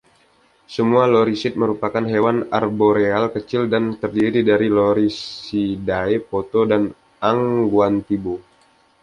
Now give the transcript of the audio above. Semua lorisid merupakan hewan arboreal kecil dan terdiri dari lorisidae, potto, dan angwantibo.